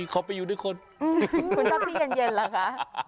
เขาไปอยู่ด้วยคนคุณชอบพี่เย็นเหรอคะ